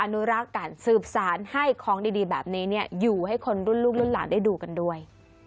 นุรักษ์การสืบสารให้ของดีแบบนี้อยู่ให้คนรุ่นลูกรุ่นหลานได้ดูกันด้วย